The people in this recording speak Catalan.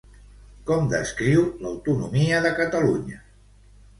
Com descriu l'autonomia de Catalunya?